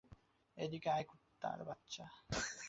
এদিকে আয়, কুত্তার বাচ্চা!